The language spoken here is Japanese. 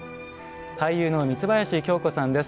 俳優の三林京子さんです。